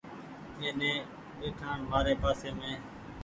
ائيني ٻئيٺآڻ مآري پآسي مينٚ